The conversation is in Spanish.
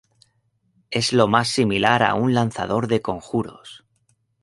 Es lo más similar a un lanzador de conjuros.